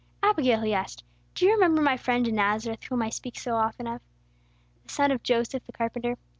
Abigail," he asked, "do you remember my friend in Nazareth whom I so often speak of, the son of Joseph the carpenter?